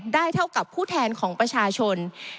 เท่ากับผู้แทนของประชาชน